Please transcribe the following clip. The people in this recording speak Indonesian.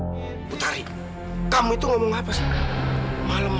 mas ini di herba nanti kambing servis kamu lagi